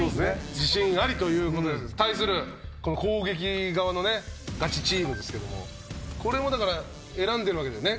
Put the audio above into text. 自信ありということで対するこの攻撃側のねガチチームですけどもこれもだから選んでるわけだよね。